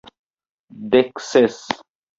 Dek ses!